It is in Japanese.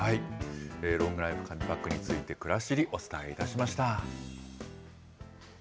ロングライフ紙パックについて、くらしり、お伝えいたしました。